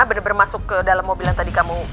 bener bener masuk ke dalam mobil yang tadi kamu